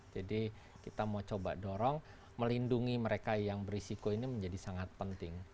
jadi kita mau coba dorong melindungi mereka yang berisiko ini menjadi sangat penting